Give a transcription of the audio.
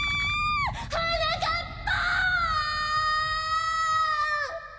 はなかっぱ！